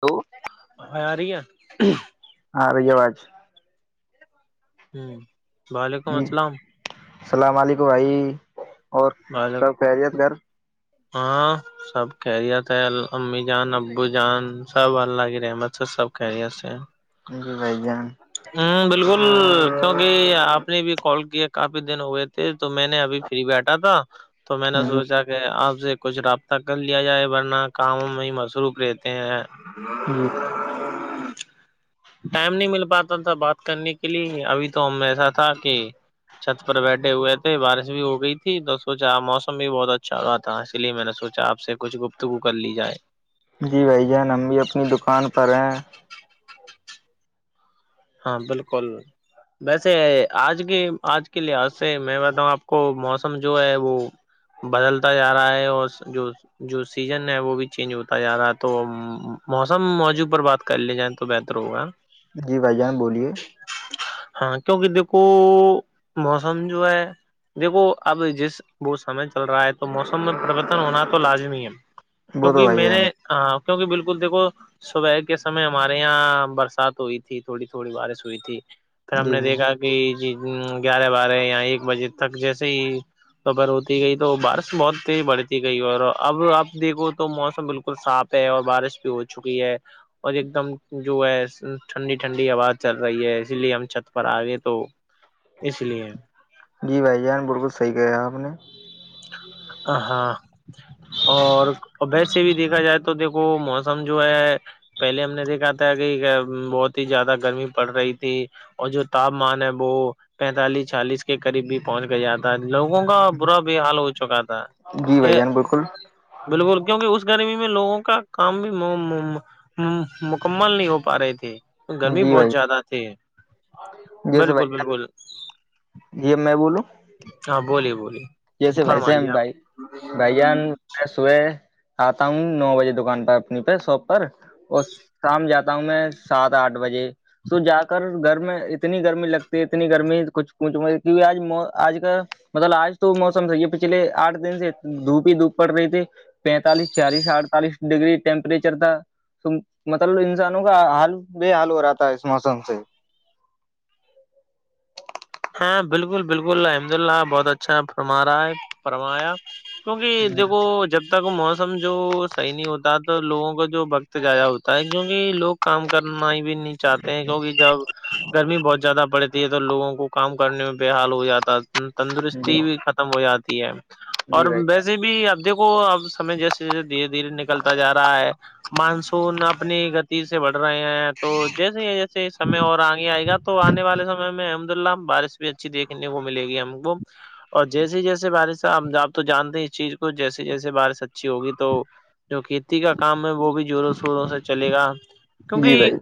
تو آ رہ ہے ہاں رہیوج ہوں وعلیکم جی السلام السلام علیکم بھائی اور بو سب خیریت گھر ہاں سب خیریت ہے امی جان ابو جان سب اللہ کی رحمت سے سب خریت سے ہیں جی بھ جان بالکل کیونکہ آپ نے بھی کال کیا کافی دن ہوئے تھے تو میں نے ابھی فری بیٹھا تھا تو میں نے سوچا کہ آپ سے کچھ رابطہ کر لیا جائے ورنہ کاموں میں مصروف رہتے ہیں جی ہ ٹائم نہیں مل پاتا تھا بات کرنے کے لیے ابھی تو ہم ایسا تھا کہ چھت پر بیٹھے ہوئے تھے بارش بھی ہو گئی تھی تو سوچا موسم بھی بہت اچھا رہا تھا اس لیے میں نے سوچا آپ سے کچھ گفتگو کر لی جائے جی بھائی جان ہم بھی اپنی دکان پر ہیں ہاں بالکل ویسے آج کی آج اس کے لحاظ سے میں بتا ہوں آپ کو موسم جو ہے وہ بدلتا جا رہا ہے اور جو جو سیزن ہے وہ بھی چینج ہوتا جا رہا ہے تو موسم موجو پر بات کر لے جائیں تو بہتر ہوگا جی بھائی جان بولیے ہاں کیونکہ دیکھو موسم جو ہے دیکو اب جس وہ سمے چل رہا ہے تو موسم میں پربرتن ہونا تو لازمی ہے وہ تو کیونکہ بھائی میںیر جان نے ہاں کیونکہ بالکل دیکھو صبح کے سمے ہمارے یہاں برسات ہوئی تھی تھی تھوڑی تھوڑی بارش ہوئی تھی پھر ہے ہم جی نے بھائی جان دیکھا کہ گیارہ بارہ یا ایک بجے تک جیسے ہی کبر ہوتی گئی تو بارش بہت تیزی بڑھتی گئی اور اب آپ دیکھو تو موسم بالکل صاف اور بارش بھی ہو چکی ہے اور ایک دم جو ہے ٹھنڈی ٹھنڈی آواز چل رہی ہے اسی لیے ہم چھت پر آ گئے تو اس لیے جی بھائی جان بالکل صحیح کہا آپ نے ہاں اور وی سے بھی دیکھا جائے تو دیکھو موسم جو ہے پہلے ہم نے دیکھا تھا کہ بہت ہی زیادہ گرمی پڑ رہی تھی اور جو تاپمان ہے وہ پینتالیس چالیس کے قریب بھی پہنچ گیایا لوگوں کا برا بھی حال ہو چکا تھا جی بھائی یہ جان بالکل بالکل کیونکہ اس گرمی میں لوگوں کا کام بھی مکمل نہیں ہو پا رہے تھے گرمی جی بہت بھائی زیادہ تھی بالکل بالکل جیب میں بولوں ہاں بولی بولیے یسے بھائی سی فرمائیے بھائی بھائی ان صبح آتا ہوں نو بجے دکان پر اپنی پہ شاپ پر اور شام جاتا ہوں میں سات آٹھ بجے سو جا کر گھر میں اتنی گرمی لگتی ہے اتنی گرمی کچھ کچ م کیکہ آج آج کا مطلب آج تو موسم تھا یہ پچھلے آٹ دن سے دھوپ ہی دھوپ پڑ رہی تھی پینتالس چالیس اڑتالیس ڈیگری ٹیمپرریچر تھا مطلب انسانوں کا حال بے حال ہو رہا تھا ہے اس موسم سے ہاں بالکل بالکل الحمد اللہ بہت اچھا فرما رہا ہے فرمایا کیونکہ دیکھو جب جب تک موسم جو صحیح نہیں ہوتا تو لوگوں کا جو وقت جضایا ہوتا ہے کیونکہ لوگ کام کرنا ہی بھی نہیں چاہتے ہیں کیونکہ جب گرمی بہت زیادہ پڑتی ہے تووگوں کو کام کرنے میں بے حال ہو جاتا ہے جی تندرستی بھی ختم ہو جاتی ہے اور جی بھائی ویسے جان بھی اب دیکھو اب سمے جیسے جیسے دھیرے دھیرے نکلتا جا رہا ہے مانسون اپنی سے بڑھ رہے ہیں تو جیسے ہی جیسے سمے اور آگے آئے گا تو آنے والے سمے میں احمد اللہ بارش بھی اچھی دیکھنے کو ملے گی ہم کو اور جیسی جیسے بارش ہم آپ تو جانتے ہیں اس چیز کو جیسے جیسے بارش اچھی ہوگی تو جو کھیتی کا کام ہے وہ بھی زوروں شوروں سے چلے گا جی کیونکہ بھائی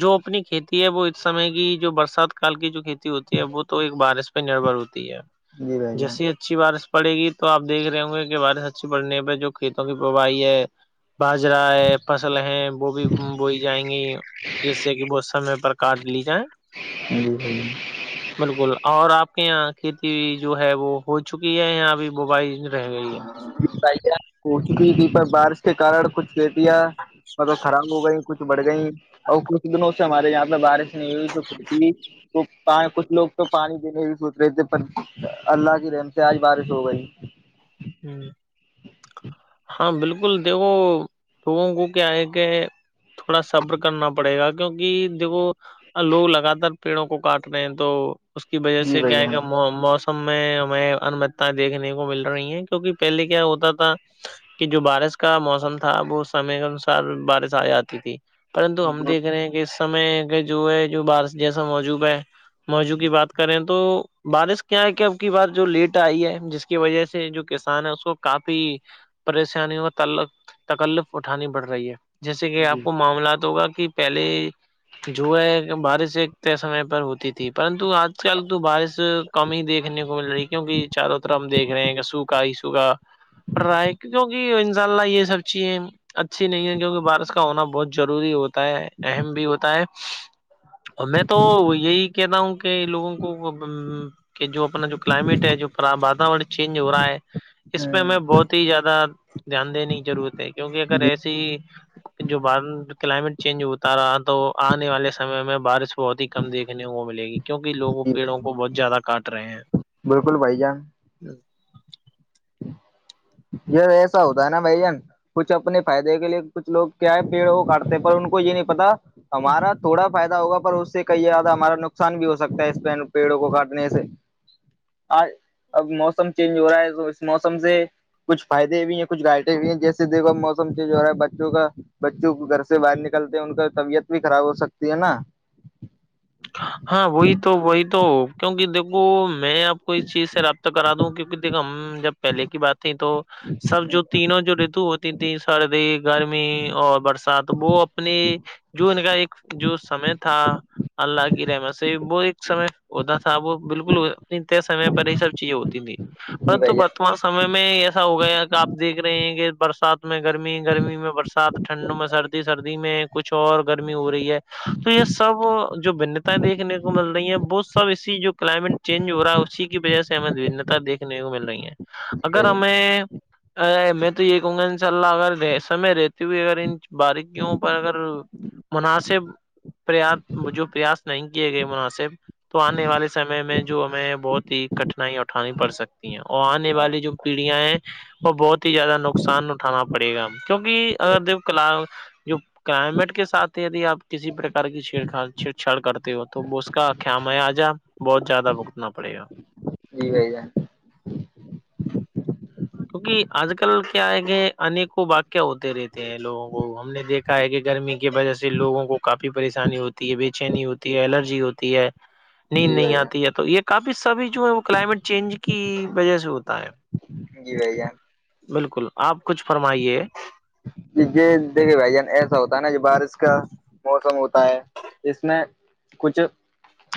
جو اپنی کھیتی ہے وہ اس سمے کی جو برسات کاال کی جو کھیتی ہوتی ہے وہ تو ایک بارش نربھر ہوتی ہے جی بھائی جان جیسی اچھی بارش پڑے گی تو آپ دیکھ رہے ہوں گے کہ بارش اچھی پڑنے پہ جو کھیتوں کی پرباہی ہے باجرا ہے فصل ہے وہ بھی بوئی جائیں گی جس سے کہ وہ سمے پر کاٹ لی جائےیں جی بھائی بالکل اور آپ کے یہاں کھیتی جو ہے وہ ہو چکی ہے یہ ابھی ببائی رہ گئی ہے ہو چکی تھی پر بارش کے کارن کچھ سیٹیا مطلب خراب ہو گئی کچھ بڑھ گئییں اور کچھ دنوں سے ہمارے یہاں پہ بارش نہیں ہوئی تو پھتیئی تو کچھ لوگ تو پانی دینے ہی سوچ رہے تھے پر اللہ کی رحم سے آج بارش ہو گئی ہوں ہاں بالکل دیکھو لوگوں کو کیا ہے کہ تھوڑا سبر کرنا پڑے گا کیونکہ دیکھو لوگ لگاتار پیڑوں کو کاٹ رہے ہیں تو اس کی وجہ جی سے بھائی کیا ہے جان کیا موسم میں ہمیں انمتیں دیکھنے کو مل رہی ہیں توہ پہلے کیا ہوتا تھا کہ جو بارش کا موسم تھا وہ سمے انسار بارش آ جاتی تھی پرنتو ہم دیکھ رہے ہیں کہ اس سمے کہ جو ہے جو بار جیسا موجوب ہے موضو کی بات کریں تو بارش کیا ہے کیا اب کی بات جو لیٹ آئی ہے جس کی وجہ سے جو کسان ہے اس کو کافی پریشانی اور تکلف اٹھانی پڑ رہی ہے جیسے کہ آپ جی کو معاملات ہوگا کہ پہلے جو ہے بارش ایک سمے پر ہوتی تھی پرنتو آج کل تو بارش کممی ہی دیکھنے کو مل رہی ہے کیونکہ چاروں طرف ہم دیکھ رہے ہیں کہ سوکھا ہی سوکھا پڑ رہا ہے کی کیکہ انشاء اللہ یہ سب چیزیں اچھی نہیں ہے کیونکہ بارش کا ہونا بہت ضروری ہو ہوتا ہے اہم بھی ہوتا ہے اور میں تو یہی کہتا ہوں کہ لوگوں کو کہ جو اپنا جو کلائمیٹ ہے جو واتورن چینج ہو رہا ہے اس پہ ہ ہمیں بہت ہی زیادہ دھیان دینے کی ضرورت ہے کیونکہ جی اگر ایسی جو بار کلائمیٹ چینج ہوتا رہا تو آنے والے سمے میں بارش بہت ہی کم دیکھنے کو ملے گی کیوںک لوگوں جی پیڑوں کو بہت زیادہ کاٹ رہے ہیں بالکل بھائی جان [inaudible] یہ ایسا ہوتا ہے نا بھ جین کچھ اپنے فائدے کے لیے کچھ لوگ کیا ہے پیڑ وہ کاٹتے ہیں پر ان کو یہ نہیں پتا ہمارا تھوڑا فائدہ ہوگا پر اس سے کئی زیادہ ہمارا نقصان بھی ہو سکتا ہے اس پیڑوں کو کاٹنے سے ہاں اب موسم چینج ہو رہا ہے تو اس موسم سے کچھ فائدے بھی ہیں کچھ گھٹیں بھی ہیں جسے دیکو موسم چینج ہو رہا ہے بچوں کا بچوں کو گھر سے باہر نکلتے ہیں ان کا طبیعت بھی خراب ہو سکتی ہے نا ہاں وہی تو وہی تو کیونکہ دیکھو میں آپ کو اس چیز سے رابط تو کرا دوں کیک دیکھ ہم جب پہلے کی بات تیں تو سب جو تینوں جو رتو ہو تین تین سردی گرمی اور برسات وہ اپنی جو ان کا ایک جو سمے تھا اللہ کی رحمت سے وہ ایک سمے ہوتا تھا وہ بالکل سمے پر یہ سب چیزیں ہوتی تھیں جی پرنت بھائی ب وتمان سمے میں ایسا ہو گیا کہ آپیکھ رہے ہیں کہ برسات میں گرمی گرمی میں برسات ٹنڈ میں سردی سردی میں کچھ اور گرمی ہو رہی ہے تو یہ سب جو بھنتاائیں دیکنے کو مل رہی ہیں بہت سب اسی جو کلائمیٹ چینج ہو رہا ہے اسی کی وجہ سے ہمیں بھنتا دیکھنے کو مل رہی ہیں اگر جان ہمیں ارے میں تو یہ کہوں گا ان شاء اللہ اگر سم میں رہتی ہوئی اگر ان باریکیوں پر اگر مناسب پریاس جو پریاس نہیں کیے گئے مناسب تو آنے والے سمے میں جو ہمیں بہت ہی کٹھنائیا اٹھانی پڑ سکتی ہیں اور آنے والی جو پیڑیاں ہے وہ بہت ہی زیادہ نقصان اٹھانا پڑے گا کیونکہ اگر د کلا جو کلائمیٹ کے ساتھ ہی دی آپ کسی پرک کی چھیڑ چھڑچھاڑ کرتی ہو تو اس کا خم ہے آ جا بہت زیادہ بگتنا پڑے گا جی بھائی جان کیونکہ آج کل کیا آئے کہ انیکوں واقع ہوتے رہتے ہیں لوگوں کو ہم نے دیکھ کا ہے کہ گرمی کی وجہ سے لوگوں کو کافی پریشانی ہوتی ہے بے چینی ہوتی ہے الرجی ہوتی ہے ہ [unintelligible] نیند جی نہیں بھائی آتی جان ہے تو یہ کافی سبھی جو ہے وہ کلائمیٹ چینج کی وجہ سے ہوتا ہے جی بھ جان بالکل آپ کچھ فرمائیے یہ دیکھے بھائی جان ایسا ہوتا ہے نا یہ بارش کا موسم ہوتا ہے اس میں کچھ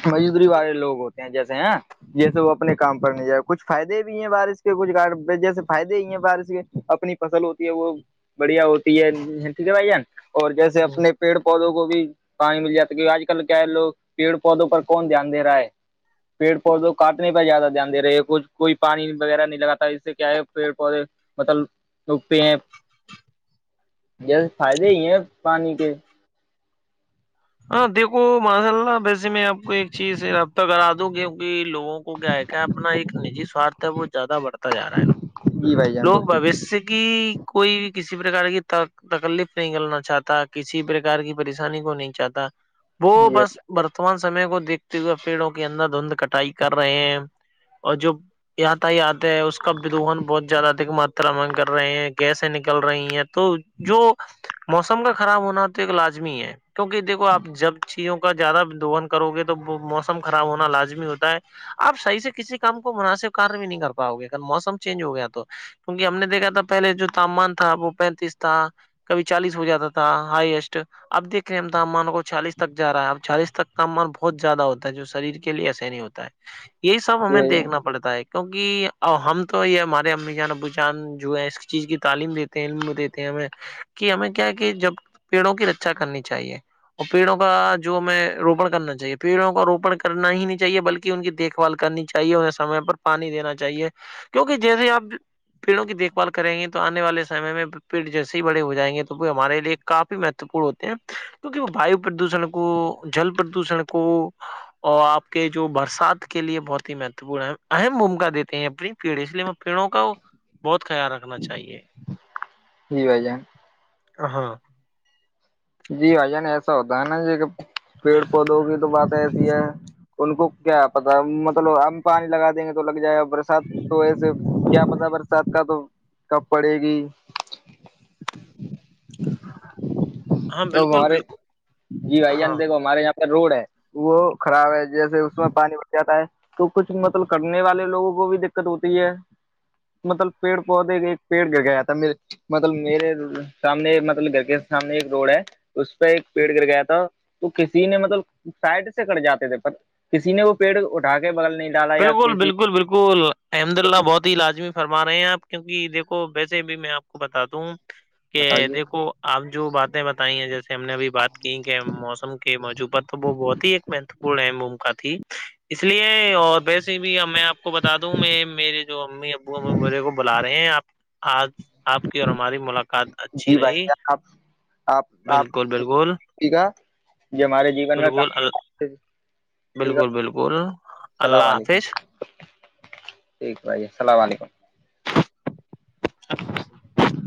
مجودری والے لوگ ہوتے ہیں جیسے ہیں جیسے وہ اپنے کام پر نہیں جائے کچھ فائدے بھی ہیں بارش کے کچھ گ جیسے فائدے ہی ہیں بارش کے اپنی فصل ہوتی ہے وہ بڑھیا ہوتی ہےیک بائی ان اور جیسے ہوں اپنے پیڑ پودوں کو بھی پانی مل جاتا ہے کیہ آج کل کیا ہے لوگ پیڑ پودوں پر کون دھیان دے رہا ہے پیڑ پودوں کاٹنے پر زیادہ دھیان د رہے ہیں کچھ کوئی پانی وغیرہ نہیں لگاتا اس سے کیا ہے پیڑ پودے مطلب ڈوک پہ ہیں جیسے فائدے ہی ہیں پانی کے ہاں دیکھو ماشاء اللہ ویسے میں آپ کو ایک چیز رابطہ کرا دوں گی لوگوں کو کیا ہے کیا اپنا ایک نجی سوارتھ ہے بہت زیادہ بڑھتا جا رہا جی ہے بھائی جان لوگ بکل بوشیہ کی کوئی بھی کسی پرکار کی تکلیف نہیں کرلنا چاہتا کسی پرکار کی پریشانی کو نہیں چاہتا وہ جی بھائی بس بر وورتمان سمے کو دیکھتے ہوئے پیڑوں کے اندر دھند کٹائی کر رہے ہیں اور جو ت ہی آتے ہیں اس کادوہن بہت زیادہ ادک ماترا مگ کر رہے ہیں گیس نکل رہی ہیں تو جو موسم کا خراب ہونا تو ایک لازمی ہے کیونکہ دیکھو آپ جب چیوں کا زیادہ دہن کرو گے تو موسم خراب ہونا لازمی ہوتا ہے آپ صحیح سے کسی کام کو مناسب کار بھی نہیں کر پاؤ گے اگر موسم چینج ہو گیا تو کیونکہ ہم نے دیکھا تھا پہلے جو تاپمان تھا وہ پینتیس تھا کبھی چالیس ہو جاتا تھا ہائیسٹ اب دیکھ م تاپمان کو چالس تک جا رہا ہے اب چالیس تک تاپمان بہت زیادہ ہوتا ہے جو شریر کے لیے ایسے نہیں ہوتا ہے یہی سب ہمیں جان دیکھنا پڑتا ہے کیونکہ ہم تو یہ ہمارے امی جان ابو جان جو ہے اس چیز کی تعلیم دیتے ہیں علم دیتے ہیں ہمیں کہ ہمیں کیا کہ جب پیڑوں کی رچا کرنی چاہیے اور پیڑوں کا جو ہمیں روپن کرنا چاہیے پیڑوں کا روپن کرنا ہی نہیں چاہیے بلکہ ان کی دیکھ بھال کرنی چاہیے انہیں سمے پر پانی دینا چاہیے کیونکہ جیسے آپ پیڑوں کی دیک بھال کریں گے تو آنے والے سم میں پیٹ جیس ہی بڑے ہو جائیں گے تو وہ ہمارے لیے کافی مہتوپورن ہوتے ہیں کیکہ وہ واو پردوشن کو جل پردوشن کو اور آپ کے جو برسات کے لیے بہت ہی مہتوپورن ہے اہم بھومکا دیتے ہیںری پیڑ اس لیے ہم پیڑوں کا بہت خیال رکھنا چاہیے ج ب جان ہ ہاں جی بھائی جان ایسا ہوتا ہے نا ج پیڑ پودوں کی تو بات ایسی ہے ان کو کیا پتا مطلب ہم پانی لگا دیں گے تو لگ جائے برسات تو ایسے کیا پتا برسات کا تو کب پڑے گی [inaudible] تو بالکل ہمارے بالکل جی بھائی ہاں جان دیکھو ہمارے یہاں روڈ ہے وہ خراب ہے جیسے اس میں پانی بھر جاتا ہے تو کچھ مطلب کرنے والے لوگوں کو بھی دقت ہوتی ہے مطلب پیڑ پودے کے ایک پیڑ گ گیا تھا میرے مطلب میرے سامنے مطلب گھر کے سامنے روڈ ہے اس پہ ایک پیڑ گر گیا تھا تو کسی نے مطلب سائڈ سے کٹ جاتے تھے کسی نے وہ پیڑ اٹھا کے بدل بالکل بالکل بالکل احمد اللہ بہت ہی لازمی فرما رہے ہیں آپ کیونکہ دیکھو ویسے بھی میں آپ کو بتات د ہوں کہ بتائیے دیکھو آپ جو باتیں بتائی ہیں جیسے ہم نے ابھی بات کی کہ موسم کے موجوع پر تو وہ بہت ہی ایک منت بڑ اہم بھومکا تھی اس لیے اور ویسے بھی میں آپ کو بتا دوں میں میرے جو امی ابو ا میرے کو بلا رہے ہیں آپ آج آپ کی اور ہماری ملاقات اچھی جی بھائی رہی جان آپ آپ آپ بالکل بالکل یہ ہمارے جین میں بالکل بالکل ہے بالکل السلام اللہ علیکم حافظ ٹھیک بھائی السلام علیکم اچ